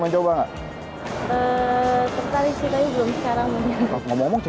mau ke bandung juga